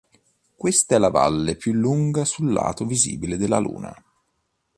Questa è la valle più lunga sul lato visibile della Luna.